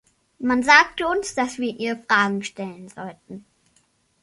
Man sagte uns, dass wir ihr Fragen stellen sollten.